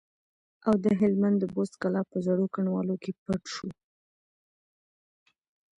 او د هلمند د بست کلا په زړو کنډوالو کې پټ شو.